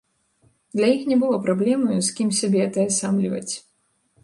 Для іх не было праблемаю, з кім сябе атаясамліваць.